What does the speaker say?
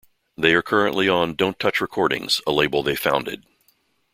They are currently on Don't Touch Recordings, a label they founded.